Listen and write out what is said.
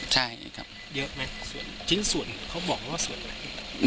ใช่ครับเยอะไหมส่วนชิ้นส่วนเขาบอกไหมว่าส่วนอะไร